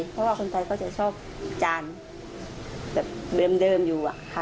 เพราะคือคนไทยก็จะชอบจานแบบเดิมอยู่